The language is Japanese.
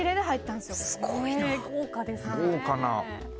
すごいな。